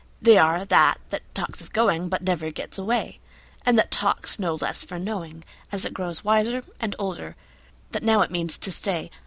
They are that that talks of goingBut never gets away; And that talks no less for knowing, As it grows wiser and older, That now it means to stay.